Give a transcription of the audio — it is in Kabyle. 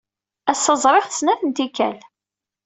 Ass-a, ẓriɣ-t snat n tikkal.